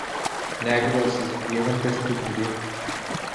--- نەگە بارىسىز، يىغىن تېخى تۈگىمىدى!